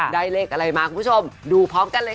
เลขอะไรมาคุณผู้ชมดูพร้อมกันเลย